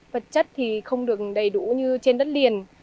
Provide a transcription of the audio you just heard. vật chất thì không được đầy đủ như trên đất liền